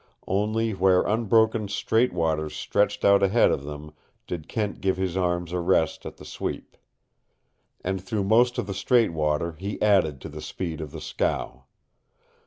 Only where unbroken straight waters stretched out ahead of them did Kent give his arms a rest at the sweep. And through most of the straight water he added to the speed of the scow.